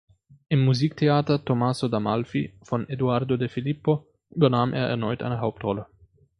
Im Musiktheater "Tommaso d’Amalfi" von Eduardo De Filippo übernahm er erneut eine Hauptrolle.